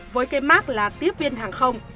với cái mát là tiếp viên hàng không